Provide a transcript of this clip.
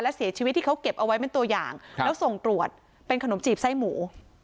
และเสียชีวิตที่เขาเก็บเอาไว้เป็นตัวอย่างแล้วส่งตรวจเป็นขนมจีบไส้หมู